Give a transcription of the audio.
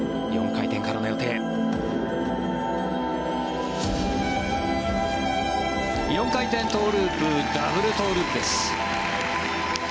４回転トウループダブルトウループです。